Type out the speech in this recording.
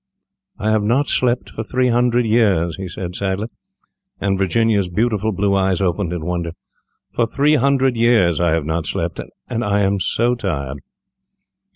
"I have not slept for three hundred years," he said sadly, and Virginia's beautiful blue eyes opened in wonder; "for three hundred years I have not slept, and I am so tired."